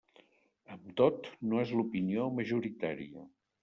Amb tot, no és l'opinió majoritària.